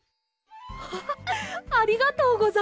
ハハッありがとうございます！